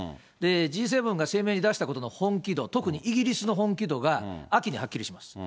Ｇ７が声明に出したことの本気度、特にイギリスの本気度が秋にはっきりします。